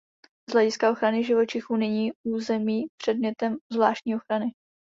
Z hlediska ochrany živočichů není území předmětem zvláštní ochrany.